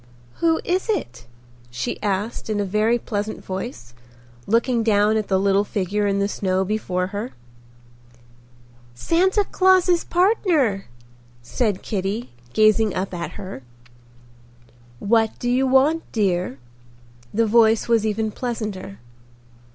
"Who is it?" she asked in a very pleasant voice, looking down at the little figure in the snow before her. "Santa Claus's partner," said Kitty, gazing up at her. "What do you want, dear?" The voice was even pleasanter.